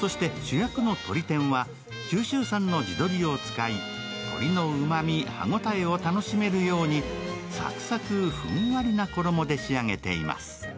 そして主役のとり天は九州産の地鶏を使い鶏のうまみ、歯ごたえを楽しめるようにサクサク、ふんわりな衣で仕上げています。